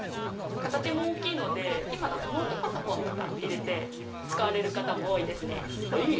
形も大きいのでノートパソコンとか入れて使われる方も多いですね。